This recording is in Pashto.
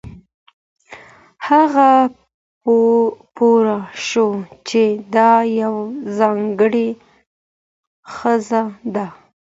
هغه پوه شو چې دا یوه ځانګړې ښځه ده.